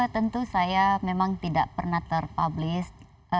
tentu saya memang tidak pernah terpublis